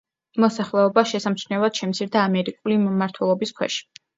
მოსახლეობა შესამჩნევად შემცირდა ამერიკული მმართველობის ქვეშ.